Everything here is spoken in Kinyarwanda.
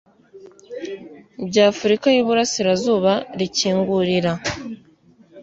By’afurika y’Iburasirazuba, rikingurira